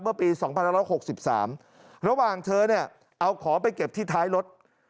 เมื่อปีสองพันละร้อยหกสิบสามระหว่างเธอเนี่ยเอาขอไปเก็บที่ท้ายรถ